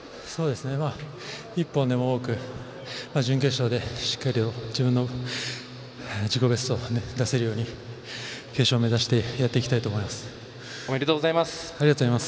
一本でも多く準決勝でしっかり自分の自己ベストを出せるように決勝目指しておめでとうございます。